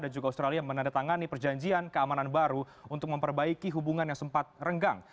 juga australia menandatangani perjanjian keamanan baru untuk memperbaiki hubungan yang sempat renggang